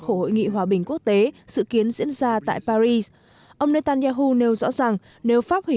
khổ hội nghị hòa bình quốc tế dự kiến diễn ra tại paris ông netanyahu nêu rõ rằng nếu pháp hủy